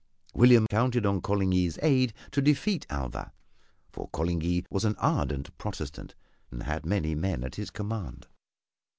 William counted on Coligny's aid to defeat Alva, for Coligny was an ardent Protestant and had many men at his command.